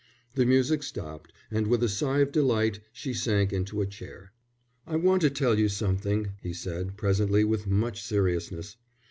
The music stopped, and with a sigh of delight she sank into a chair. "I want to tell you something," he said presently, with much seriousness.